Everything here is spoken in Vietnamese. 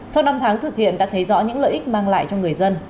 sau năm tháng thực hiện đã thấy rõ những lợi ích mang lại cho người dân